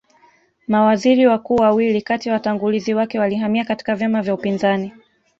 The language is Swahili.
Mawaziri wakuu wawili kati ya watangulizi wake walihamia katika vyama vya upinzani